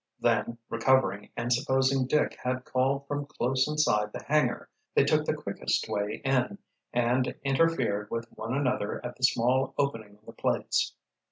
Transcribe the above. Then, recovering, and supposing Dick had called from close inside the hangar, they took the quickest way in, and interfered with one another at the small opening in the plates.